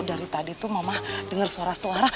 dari tadi tuh mama dengar suara suara